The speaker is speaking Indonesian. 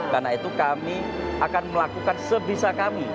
karena itu kami akan melakukan sebisa kami